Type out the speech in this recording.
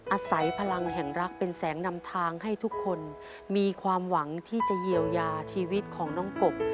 อาศัยพลังแห่งรักเป็นแสงนำทางให้ทุกคนมีความหวังที่จะเยียวยาชีวิตของน้องกบ